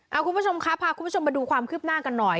เอาคุณผู้ชมครับพาคุณผู้ชมมาดูความคืบหน้ากันหน่อย